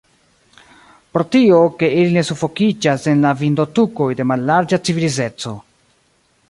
Pro tio, ke ili ne sufokiĝas en la vindotukoj de mallarĝa civilizeco.